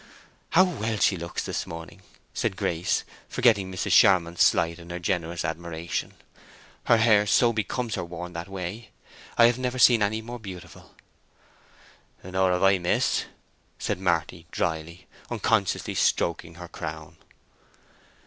"How well she looks this morning!" said Grace, forgetting Mrs. Charmond's slight in her generous admiration. "Her hair so becomes her worn that way. I have never seen any more beautiful!" "Nor have I, miss," said Marty, dryly, unconsciously stroking her crown.